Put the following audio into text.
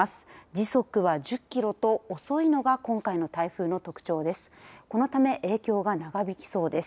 時速は１０キロと遅いのが今回の台風の特徴です。